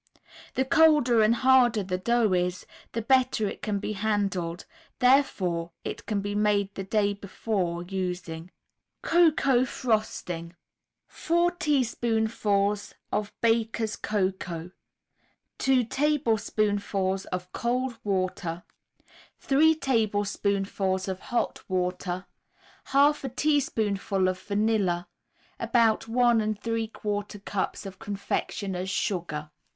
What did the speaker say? The colder and harder the dough is, the better it can be handled; therefore it can be made the day before using. COCOA FROSTING 4 teaspoonfuls of Baker's Cocoa, 2 tablespoonfuls of cold water, 3 tablespoonfuls of hot water, 1/2 a teaspoonful of vanilla, About 1 3/4 cups of confectioners' sugar.